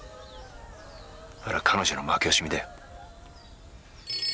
あれは彼女の負け惜しみだよ。